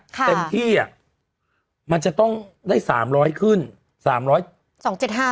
เต็มที่อ่ะมันจะต้องได้สามร้อยขึ้นสามร้อยสองเจ็ดห้า